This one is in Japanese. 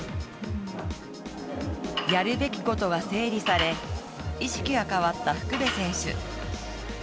やるべきことが整理され意識が変わった福部選手。